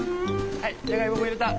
はいじゃがいもも入れた。